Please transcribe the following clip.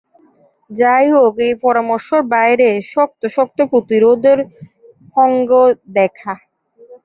যাইহোক, এই পরামর্শ ফ্রান্স বাইরে শক্ত শক্ত প্রতিরোধের সাথে দেখা।